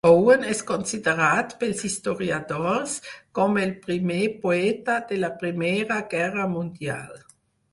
Owen és considerat pels historiadors com el primer poeta de la Primera Guerra Mundial.